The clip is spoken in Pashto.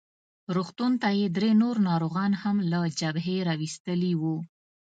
روغتون ته یې درې نور ناروغان هم له جبهې راوستلي وو.